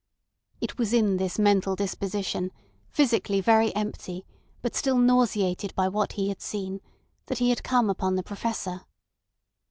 It was in this mental disposition, physically very empty, but still nauseated by what he had seen, that he had come upon the Professor.